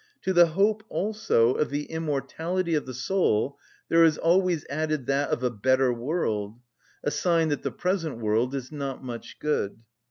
To the hope, also, of the immortality of the soul there is always added that of a "better world"—a sign that the present world is not much good.